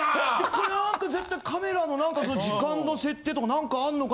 この枠絶対カメラの時間の設定とかなんかあんのか。